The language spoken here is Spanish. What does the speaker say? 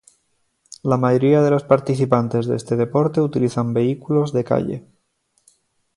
La mayoría de los participantes de este deporte utilizan vehículos de calle.